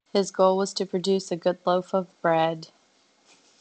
His goal was to produce a good loaf of bread.